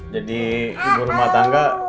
jadi ibu rumah tangga